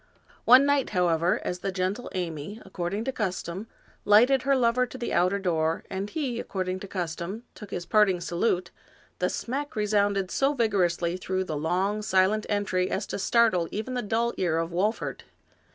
One night, however, as the gentle Amy, according to custom, lighted her lover to the outer door, and he, according to custom, took his parting salute, the smack resounded so vigorously through the long, silent entry as to startle even the dull ear of Wolfert.